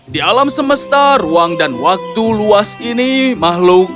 di alam semesta ruang dan waktu luas ini makhluk